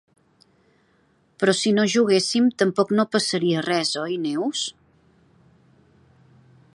Però si no juguéssim tampoc no passaria res, oi, Neus?